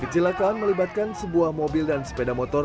kecelakaan melibatkan sebuah mobil dan sepeda motor